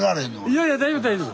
いやいや大丈夫大丈夫。